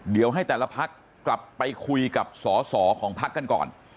เดี๋ยวให้แต่ละพักกลับไปคุยกับสอสอของพักกันก่อน